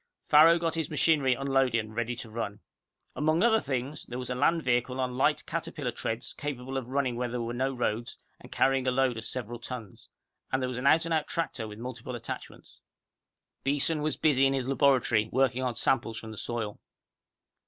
Farrow got his machinery unloaded and ready to run. Among other things, there was a land vehicle on light caterpillar treads capable of running where there were no roads and carrying a load of several tons. And there was an out and out tractor with multiple attachments. Beeson was busy in his laboratory working on samples from the soil.